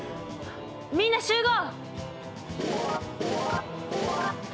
みんな集合！